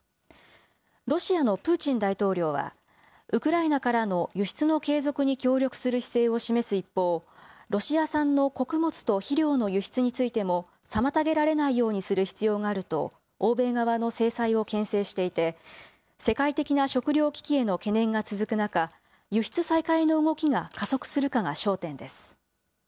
ロシアのプーチン大統領は、ウクライナからの輸出の継続に協力する姿勢を示す一方、ロシア産の穀物と肥料の輸出についても妨げられないようにする必要があると、欧米側の制裁をけん制していて、世界的な食料危機への懸念が続く中、輸出再開の動きが加速するかが焦点です。